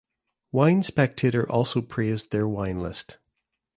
Wine Spectator also praised their wine list.